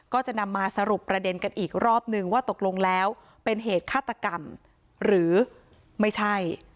ก็จะนำมาสรุปประเด็นกันอีกรอบนึงว่าตกลงแล้วเป็นเหตุฆาตกรรมหรือไม่ใช่